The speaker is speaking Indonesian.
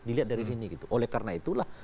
dilihat dari sini gitu oleh karena itulah